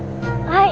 はい！